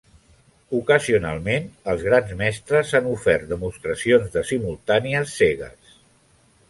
Ocasionalment els grans mestres han ofert demostracions de simultànies cegues.